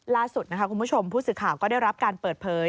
ล่าสุดนะคะคุณผู้ชมผู้สื่อข่าวก็ได้รับการเปิดเผย